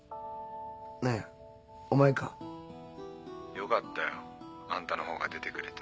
よかったよ。あんたのほうが出てくれて。